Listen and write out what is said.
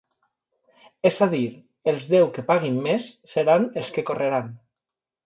Es a dir, els deu que paguin més seran els que correran.